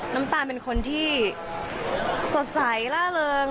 น้ำตาลเป็นคนที่สดใสล่าเริง